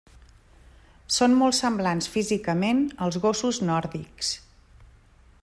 Són molt semblants físicament als gossos nòrdics.